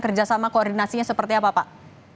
kerjasama koordinasinya seperti apa pak